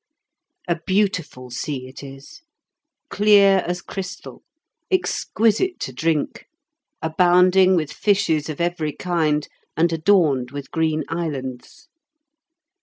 A beautiful sea it is, clear as crystal, exquisite to drink, abounding with fishes of every kind, and adorned with green islands.